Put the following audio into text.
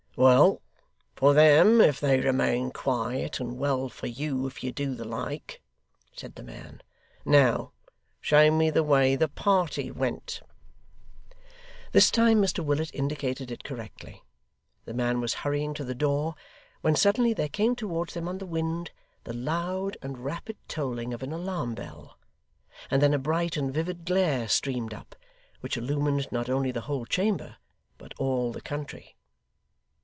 'Well for them if they remain quiet, and well for you if you do the like,' said the man. 'Now show me the way the party went.' This time Mr Willet indicated it correctly. The man was hurrying to the door, when suddenly there came towards them on the wind, the loud and rapid tolling of an alarm bell, and then a bright and vivid glare streamed up, which illumined, not only the whole chamber, but all the country.